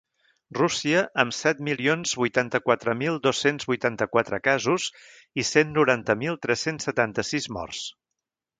Rússia, amb set milions vuitanta-quatre mil dos-cents vuitanta-quatre casos i cent noranta mil tres-cents setanta-sis morts.